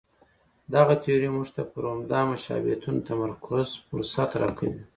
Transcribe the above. دغه تیوري موږ ته پر عمده مشابهتونو تمرکز فرصت راکوي.